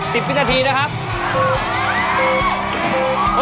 ๑๐สักนาทีนะครับ